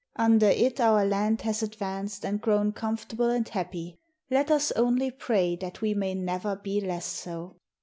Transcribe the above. Under it our land has advanced and grown comfortable and happy let us only pray that we may never be less so.'